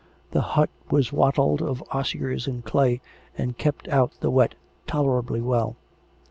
(The hut was wattled of osiers and clay, and kept out the wet tolerably well.)